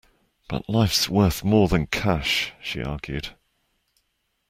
But life's worth more than cash, she argued.